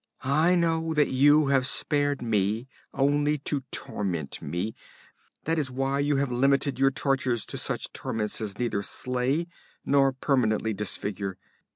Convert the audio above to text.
I know that you have spared me only to torment me; that is why you have limited your tortures to such torments as neither slay nor permanently disfigure.